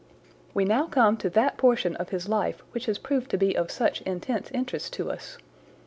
"We now come to that portion of his life which has proved to be of such intense interest to us.